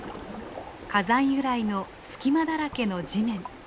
火山由来の隙間だらけの地面。